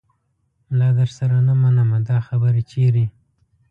ملا درسره نه منمه دا خبره چیرې